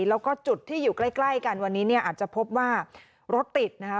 แล้วก็จุดที่อยู่ใกล้กันวันนี้เนี่ยอาจจะพบว่ารถติดนะคะ